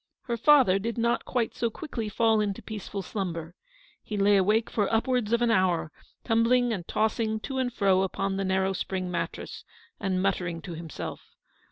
Her father did not quite so quickly fall into a peaceful slumber. He lay awake for upwards of an hour, tumbling and tossing to and fro upon the narrow spring mattress, and muttering to himself.